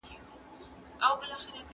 محصلانو د درس يادښتونه اخيستل.